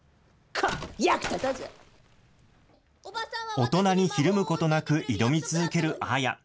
大人にひるむことなく挑み続けるアーヤ。